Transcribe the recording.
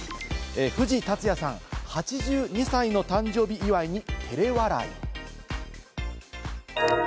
藤竜也さん、８２歳の誕生日祝いに照れ笑い。